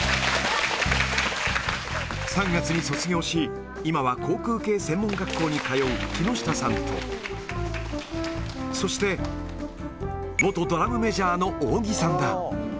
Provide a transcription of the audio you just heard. ３月に卒業し、今は航空系専門学校に通う木下さんと、そして元ドラムメジャーの扇さんだ。